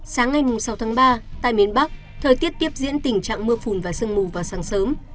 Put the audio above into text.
sáng ngày sáu tháng ba tại miền bắc thời tiết tiếp diễn tình trạng mưa phùn và sương mù vào sáng sớm